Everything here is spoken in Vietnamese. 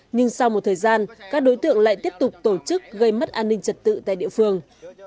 nhưng sau một thời gian các đối tượng lại tiếp tục tổ chức gây mất an ninh trật tự tại địa phương